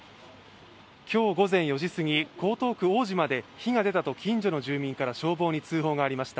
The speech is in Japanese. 今日午前４時過ぎ、江東区大島で火が出たと近所の住民から消防に通報がありました。